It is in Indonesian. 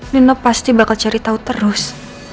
nino pasti bakal cari tahu terus